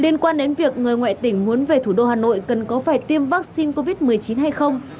liên quan đến việc người ngoại tỉnh muốn về thủ đô hà nội cần có phải tiêm vaccine covid một mươi chín hay không